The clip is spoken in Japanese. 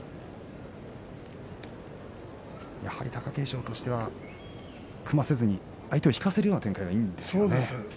やはり貴景勝としては組ませずに相手を引かせるような展開にしたいわけですか。